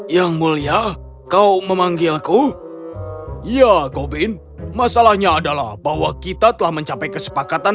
yang mulia kau memanggil aku ya gobind masalahnya adalah bahwa kita telah mencapai kesepakatan